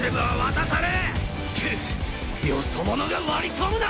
叩よそ者が割り込むな！